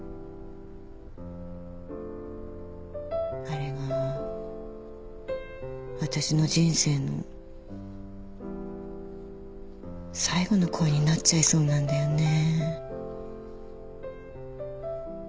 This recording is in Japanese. あれが私の人生の最後の恋になっちゃいそうなんだよね。